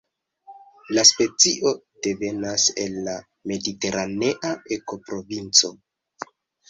La specio devenas el la mediteranea ekoprovinco.